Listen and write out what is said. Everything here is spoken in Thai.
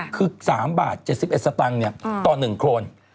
คือ๓บาท๗๑สตางค์ต่อ๑โครน